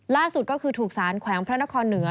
ล่าสุดก็คือถูกสารแขวงพระนครเหนือ